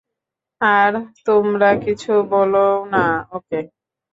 আর তোমরা কিছু বলোও না ওকে।